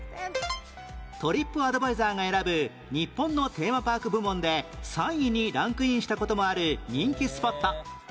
トリップアドバイザーが選ぶ日本のテーマパーク部門で３位にランクインした事もある人気スポット